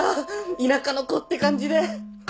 田舎の子って感じで。